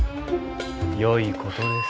よいことです。